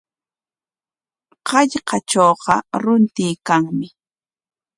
Hallqatrawqa runtuykanmi.